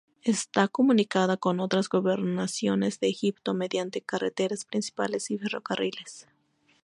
Está comunicada con otras gobernaciones de Egipto mediante carreteras principales y ferrocarriles.